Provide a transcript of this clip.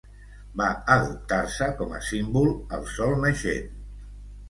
Va adoptar com a símbol el sol naixent.